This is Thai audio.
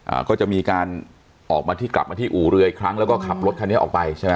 อ่าก็จะมีการออกมาที่กลับมาที่อู่เรืออีกครั้งแล้วก็ขับรถคันนี้ออกไปใช่ไหม